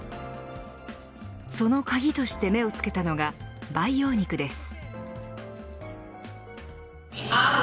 その鍵として目をつけたのが培養肉です。